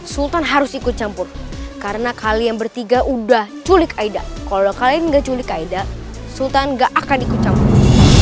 sultan harus ikut campur karena kalian bertiga udah culik aeda kalau kalian gak culik kaida sultan gak akan ikut campur